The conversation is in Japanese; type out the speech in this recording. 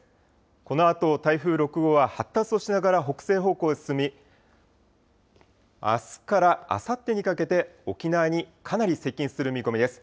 このあと、台風６号は発達をしながら北西方向へ進み、あすからあさってにかけて、沖縄にかなり接近する見込みです。